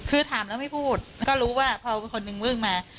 คือถามแล้วไม่พูดแล้วก็รู้ว่าพอคนหนึ่งวิ่งมา